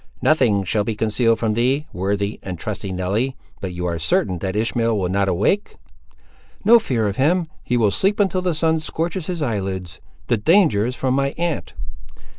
"Nothing shall be concealed from thee, worthy and trusty Nelly—but are you certain that Ishmael will not awake?" "No fear of him; he will sleep until the sun scorches his eyelids. The danger is from my aunt."